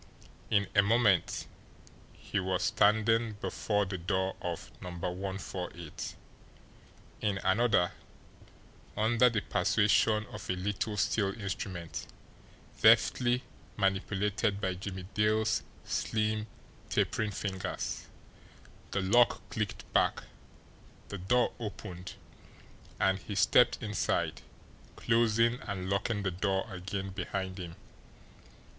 In a moment he was standing before the door of No. 148; in another, under the persuasion of a little steel instrument, deftly manipulated by Jimmie Dale's slim, tapering fingers, the lock clicked back, the door opened, and he stepped inside, closing and locking the door again behind him.